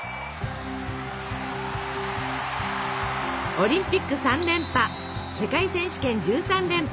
オリンピック３連覇世界選手権１３連覇。